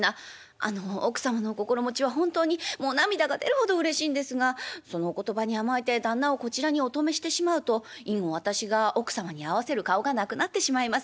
あの奥様のお心持ちは本当にもう涙が出るほどうれしいんですがそのお言葉に甘えて旦那をこちらにお泊めしてしまうと以後私が奥様に合わせる顔がなくなってしまいます。